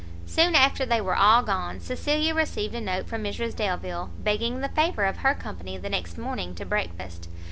Soon after they were all gone, Cecilia received a note from Mrs Delvile, begging the favour of her company the next morning to breakfast.